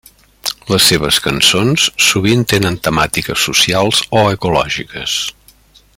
Les seves cançons sovint tenen temàtiques socials o ecològiques.